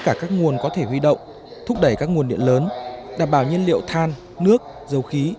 cả các nguồn có thể huy động thúc đẩy các nguồn điện lớn đảm bảo nhân liệu than nước dầu khí